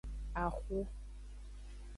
Axu.